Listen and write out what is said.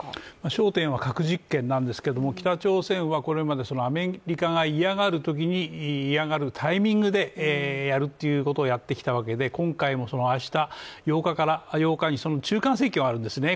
焦点は核実験なんですが、北朝鮮はアメリカが嫌がるときに嫌がるタイミングでやるということをやってきたわけで、今回も明日、８日に中間選挙があるんですね。